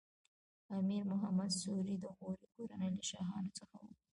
امیر محمد سوري د غوري کورنۍ له شاهانو څخه و.